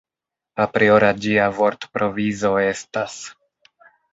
Apriora ĝia vortprovizo estas.